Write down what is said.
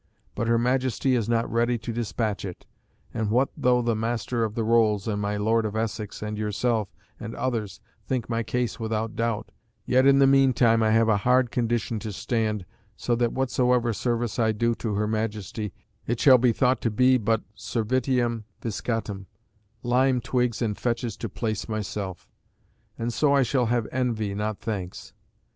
but her Majesty is not ready to despatch it. And what though the Master of the Rolls, and my Lord of Essex, and yourself, and others, think my case without doubt, yet in the meantime I have a hard condition, to stand so that whatsoever service I do to her Majesty it shall be thought to be but servitium viscatum, lime twigs and fetches to place myself; and so I shall have envy, not thanks.